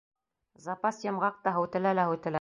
Запас йомғаҡ та һүтелә лә һүтелә.